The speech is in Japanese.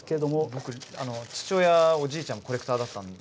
僕父親おじいちゃんもコレクターだったんで。